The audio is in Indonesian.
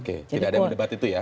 tidak ada yang berdebat itu ya